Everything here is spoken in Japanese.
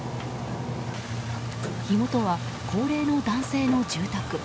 火元は、高齢の男性の住宅。